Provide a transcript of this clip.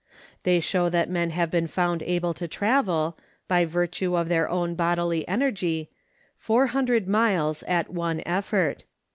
They show that men have been found able to travel, by virtue of their own bodily energy, 400 miles at one effort.